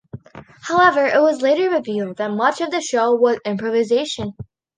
However, it was later revealed that much of the show was improvisation.